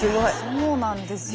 そうなんですよ。